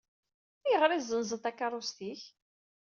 Ayɣer i tezzenzeḍ takeṛṛust-ik?